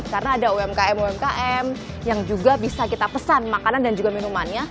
karena ada umkm umkm yang juga bisa kita pesan makanan dan juga minumannya